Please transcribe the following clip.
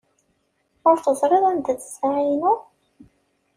Ur teẓriḍ anda-tt ssaɛa-inu?